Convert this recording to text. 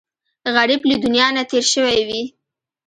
غریب له دنیا نه تېر شوی وي